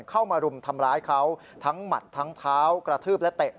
เข้ามารุมทำร้ายเขาทั้งหมัดทั้งเท้ากระทืบและเตะ